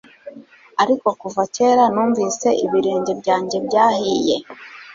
Ariko kuva kera numvise ibirenge byanjye byahiye